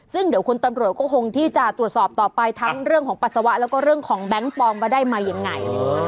ซึ่งเดี๋ยวคนตำรวจคงที่จะตรวจสอบต่อไปทั้งแบงก์ปลอมแบงก์ปลอมมาได้มายังไง